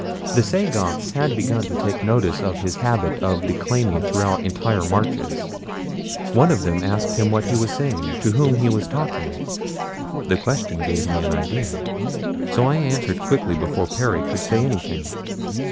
The Sagoths had begun to take notice of his habit of declaiming throughout entire marches. One of them asked him what he was saying to whom he was talking. The question gave me an idea, so I answered quickly before Perry could say anything.